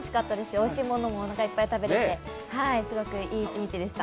おいしいものもおなかいっぱい食べれてすごくいい雰囲気でした。